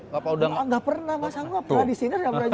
gak pernah masa engga pernah di sinerz gak pernah juara